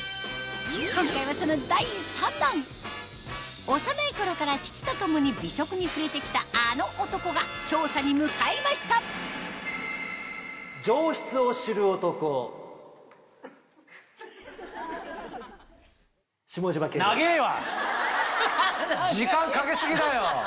今回はその第３弾幼い頃から父と共に美食に触れて来たあの男が調査に向かいました時間かけ過ぎだよ。